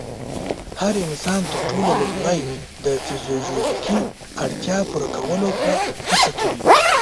هر انسان تر ټولو لومړی د فزيولوژيکي اړتیا پوره کولو په هڅه کې وي.